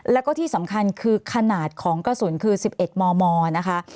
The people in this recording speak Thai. แล้วก็ที่สำคัญคือขนาดของกระสุนคือ๑๑มมนะคะ